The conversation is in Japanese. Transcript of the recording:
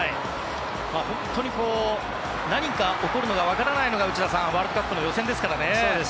本当に何が起こるか分からないのが内田さん、ワールドカップの予選ですからね。